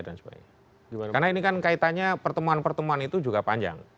karena ini kan kaitannya pertemuan pertemuan itu juga panjang